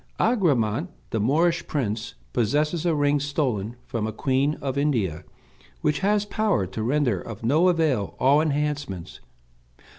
"Agramant, the Moorish prince, possesses a ring stolen from a queen of India, which has power to render of no avail all enchantments.